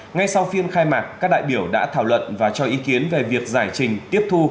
ngay sau phiên khai mạc các đại biểu đã thảo luận và cho ý kiến về việc giải trình tiếp thu